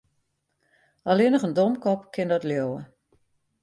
Allinnich in domkop kin dat leauwe.